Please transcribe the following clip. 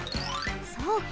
そうか。